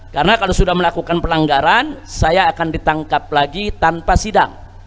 karena kalau sudah melakukan pelanggaran saya akan ditangkap lagi tanpa sidang